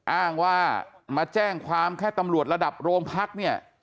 อ้างว่ามาแจ้งความแค่ตำรวจระดับโรงพักเนี่ย